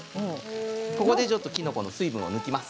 ここできのこの水分を抜きます。